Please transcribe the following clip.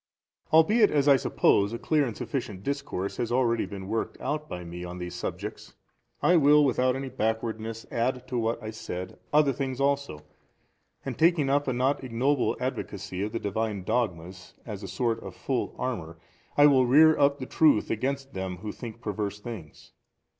A. Albeit as I suppose a clear and sufficient discourse has already been worked out by me on these subjects, I will without any backwardness add to what I said other things also, and taking up a not ignoble advocacy of the |307 Divine dogmas as a sort of full armour I will rear up the truth against them who think perverse things.